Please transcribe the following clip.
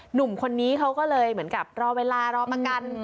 หนุ่มคนนี้เขาก็เลยเหมือนกับรอเวลารอประกัน